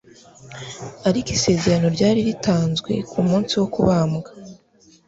Ariko isezerano ryari ritanzwe ku munsi wo kubambwa,